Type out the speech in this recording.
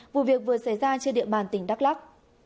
vụ việc vừa xảy ra trên địa bàn tỉnh đắk lắc